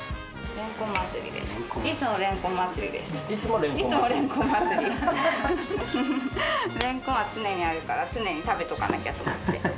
れんこんは常にあるから常に食べとかなきゃって。